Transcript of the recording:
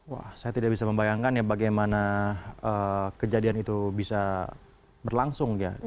wah saya tidak bisa membayangkan ya bagaimana kejadian itu bisa berlangsung ya